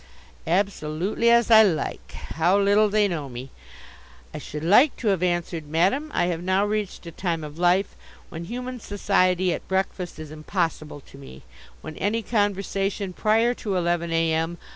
Absolutely as I like! How little they know me. I should like to have answered: "Madam, I have now reached a time of life when human society at breakfast is impossible to me; when any conversation prior to eleven a.m.